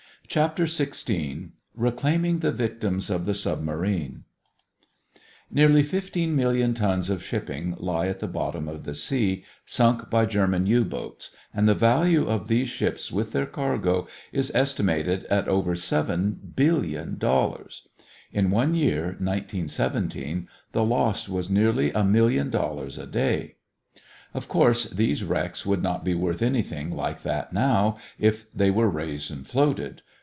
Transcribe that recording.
CHAPTER XVI RECLAIMING THE VICTIMS OF THE SUBMARINE Nearly fifteen million tons of shipping lie at the bottom of the sea, sunk by German U boats, and the value of these ships with their cargo is estimated at over seven billion dollars. In one year, 1917, the loss was nearly a million dollars a day. Of course these wrecks would not be worth anything like that now, if they were raised and floated.